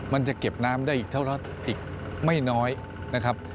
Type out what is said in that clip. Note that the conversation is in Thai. มันจะเก็บน้ำได้อีกเท่าอีกไม่น้อยนะครับ